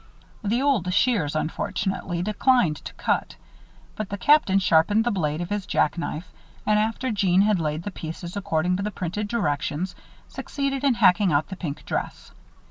The old shears, unfortunately, declined to cut; but the Captain sharpened the blade of his jack knife, and, after Jeanne had laid the pieces, according to the printed directions, succeeded in hacking out the pink dress.